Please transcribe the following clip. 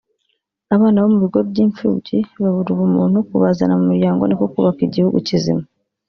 abana bo mu bigo by’imfubyi babura ubumuntu kubazana mu miryango niko kubaka igihugu kizima